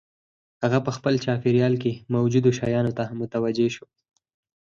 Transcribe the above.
هغه په خپل چاپېريال کې موجودو شيانو ته متوجه شو.